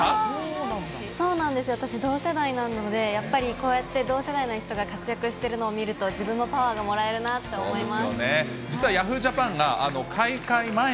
そうなんですよ、私同世代なので、やっぱりこうやって同世代の人が活躍してるのを見ると自分もパワーがもらえるなと思います。